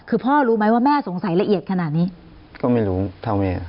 คือพ่อรู้ไหมว่าแม่สงสัยละเอียดขนาดนี้ก็ไม่รู้เท่าแม่